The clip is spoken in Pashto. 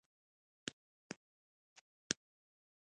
واوره، ستا ورور ستا لپاره سر ورکولو ته تیار دی.